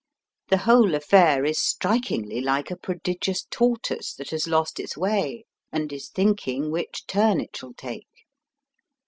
The whole affair is strikingly Hke a prodigious tortoise that has lost its way, and is thinking which turn it shall take.